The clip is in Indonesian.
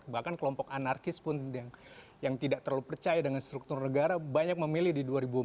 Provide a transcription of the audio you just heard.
bahkan kelompok anarkis pun yang tidak terlalu percaya dengan struktur negara banyak memilih di dua ribu empat belas